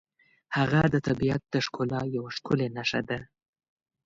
هغه د طبیعت د ښکلا یوه ښکلې نښه ده.